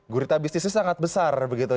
gurita bisnisnya sangat besar begitu